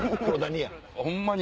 ホンマに。